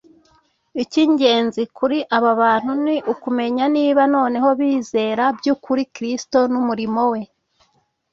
Icy'ingenzi kuri aba bantu ni ukumenya niba noneho bizera by'ukuri Kristo n’umurimo we